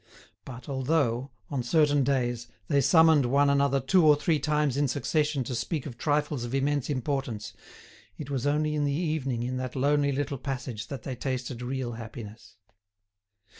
But although, on certain days, they summoned one another two or three times in succession to speak of trifles of immense importance, it was only in the evening in that lonely little passage that they tasted real happiness.